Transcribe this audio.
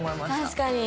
確かに。